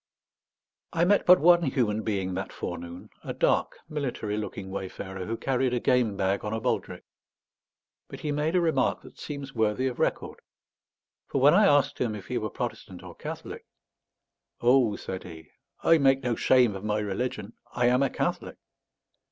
I met but one human being that forenoon, a dark military looking wayfarer, who carried a game bag on a baldric; but he made a remark that seems worthy of record. For when I asked him if he were Protestant or Catholic "Oh," said he, "I make no shame of my religion. I am a Catholic."